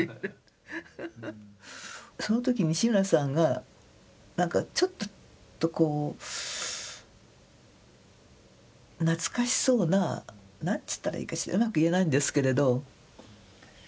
その時西村さんがなんかちょっとこう懐かしそうな何つったらいいかしらうまく言えないんですけれど。